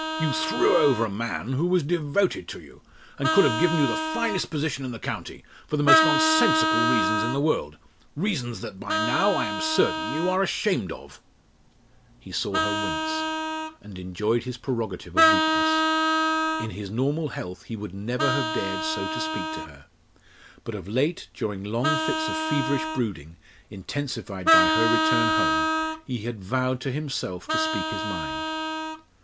You threw over a man who was devoted to you, and could have given you the finest position in the county, for the most nonsensical reasons in the world reasons that by now, I am certain, you are ashamed of." He saw her wince, and enjoyed his prerogative of weakness. In his normal health he would never have dared so to speak to her. But of late, during long fits of feverish brooding intensified by her return home he had vowed to himself to speak his mind.